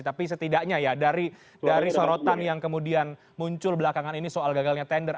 tapi setidaknya ya dari sorotan yang kemudian muncul belakangan ini soal gagalnya tender